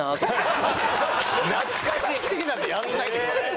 「懐かしいな」でやんないでくださいよ！